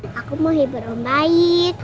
om baik aku mau hibur om baik